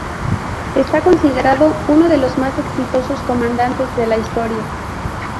Está considerado uno de los más exitosos comandantes de la historia.